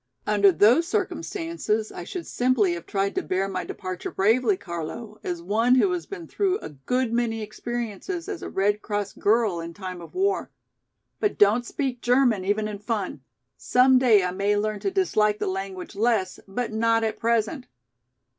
"Under those circumstances, I should simply have tried to bear my departure bravely, Carlo, as one who has been through a good many experiences as a Red Cross girl in time of war. But don't speak German even in fun. Some day I may learn to dislike the language less, but not at present.